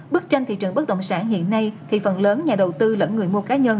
bức tranh thị trường bất động sản hiện nay thì phần lớn nhà đầu tư lẫn người mua cá nhân